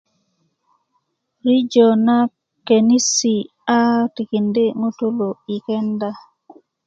rijö ma könisi' a tikindi' ŋutulu yi kenda